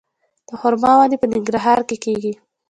د خرما ونې په ننګرهار کې کیږي؟